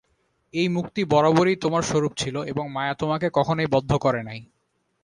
এই মুক্তি বরাবরই তোমার স্বরূপ ছিল এবং মায়া তোমাকে কখনই বদ্ধ করে নাই।